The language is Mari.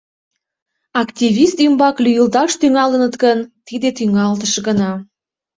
Активист ӱмбак лӱйылташ тӱҥалыныт гын, тиде тӱҥалтыш гына.